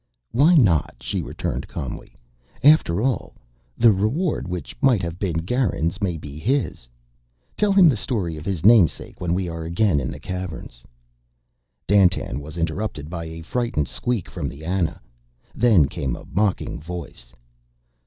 "Why not?" she returned calmly. "After all " "The reward which might have been Garan's may be his? Tell him the story of his namesake when we are again in the Caverns " Dandtan was interrupted by a frightened squeak from the Ana. Then came a mocking voice.